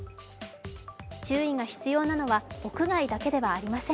注意が必要なのは屋外だけではありません。